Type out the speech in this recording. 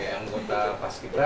anggota pas kibra